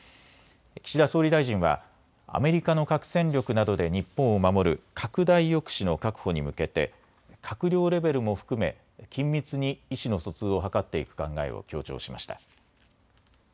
岸田総理大臣はアメリカの核戦力などで日本を守る拡大抑止の確保に向けて閣僚レベルも含め緊密に意思の疎通を図っていく考えを強調しました。